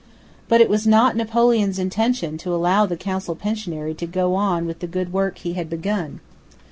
But it was not Napoleon's intention to allow the council pensionary to go on with the good work he had begun.